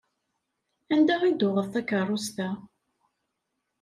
Anda i d-tuɣeḍ takerrust-a?